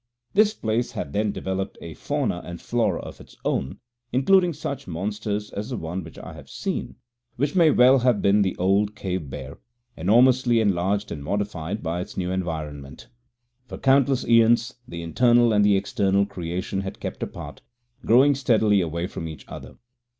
This place had then developed a fauna and flora of its own, including such monsters as the one which I had seen, which may well have been the old cave bear, enormously enlarged and modified by its new environment. For countless aeons the internal and the external creation had kept apart, growing steadily away from each other.